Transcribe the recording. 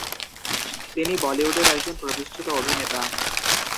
তিনি বলিউডের একজন প্রতিষ্ঠিত অভিনেতা।